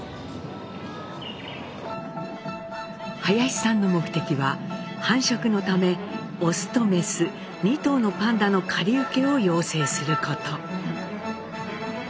林さんの目的は繁殖のためオスとメス２頭のパンダの借り受けを要請すること。